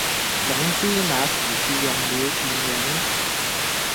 總之那時是用了電影，